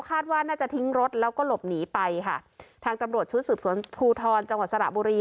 คาดว่าน่าจะทิ้งรถแล้วก็หลบหนีไปค่ะทางตำรวจชุดสืบสวนภูทรจังหวัดสระบุรี